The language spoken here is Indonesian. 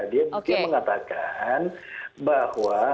dia mengatakan bahwa